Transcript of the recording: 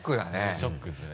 ショックですね。